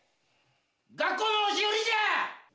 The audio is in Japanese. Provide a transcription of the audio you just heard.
学校の押し売りじゃ。